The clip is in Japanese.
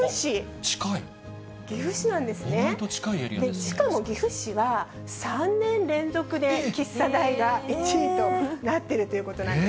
しかも岐阜市は３年連続で、喫茶代が１位となっているということなんです。